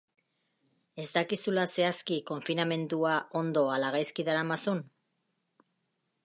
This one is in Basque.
Ez dakizula zehazki konfinamendua ondo ala gaizki daramazun?